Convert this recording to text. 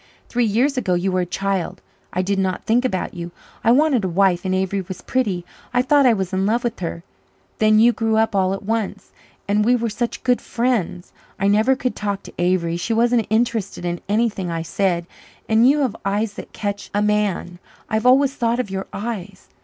"Three years ago you were a child. I did not think about you. I wanted a wife and Avery was pretty. I thought I was in love with her. Then you grew up all at once and we were such good friends I never could talk to Avery she wasn't interested in anything I said and you have eyes that catch a man I've always thought of your eyes.